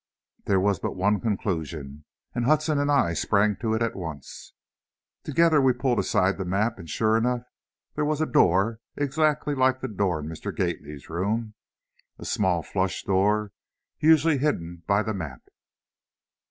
There was but one conclusion, and Hudson and I sprang to it at once. Together, we pulled aside the map, and sure enough, there was a door exactly like the door in Mr. Gately's room, a small, flush door, usually hidden by the map.